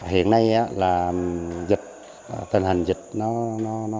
hiện nay là dịch tình hình dịch nó lây